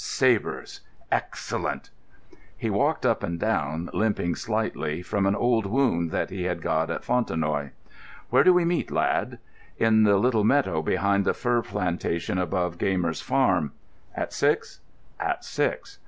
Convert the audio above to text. Sabres: excellent!" He walked up and down, limping slightly, from an old wound that he had got at Fontenoy. "Where do we meet, lad?" "In the little meadow behind the fir plantation above Gaymer's farm." "At six?" "At six.